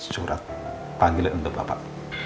surat panggilan untuk bapak